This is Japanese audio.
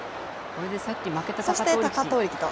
これでさっき負けた貴闘力と。